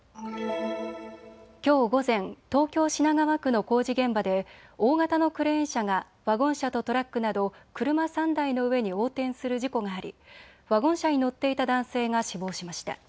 きょう午前、東京品川区の工事現場で大型のクレーン車がワゴン車とトラックなど車３台の上に横転する事故がありワゴン車に乗っていた男性が死亡しました。